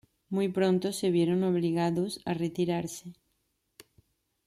Muy pronto se vieron obligados a retirarse.